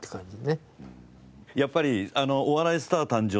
やっぱり『お笑いスター誕生！！』